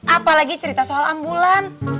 apalagi cerita soal ambulan